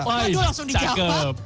waduh langsung di jawa